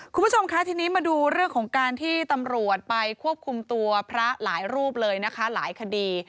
คุณผู้ชมคะทีนี้มาดูเรื่องของการที่ตำรวจไปควบคุมตัวพระหลายรูปเลยนะคะหลายคดี